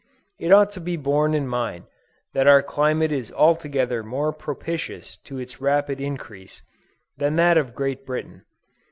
It ought to be borne in mind that our climate is altogether more propitious to its rapid increase, than that of Great Britain.